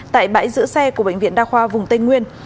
tại bãi giữ xe của bệnh viện đa khoa vùng tây nguyên